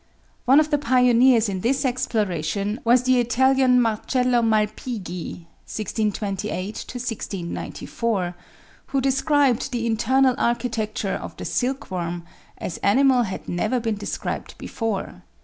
One of the pioneers in this exploration was the Italian, Marcello Malpighi (1628 1694), who described the internal architecture of the silk worm as animal had never been described before.